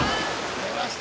出ました。